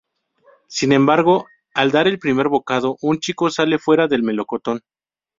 Sin embargo, al dar el primer bocado, un chico sale fuera del melocotón.